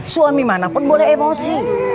suami mana pun boleh emosi